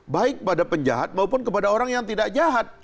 baik pada penjahat maupun kepada orang yang tidak jahat